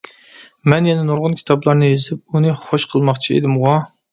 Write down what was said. مەن يەنە نۇرغۇن كىتابلارنى يېزىپ ئۇنى خۇش قىلماقچى ئىدىمغۇ؟ !